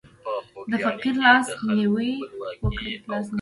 د فقیر لاس نیوی وکړه.